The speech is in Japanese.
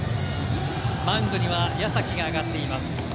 マウンドには矢崎が上がっています。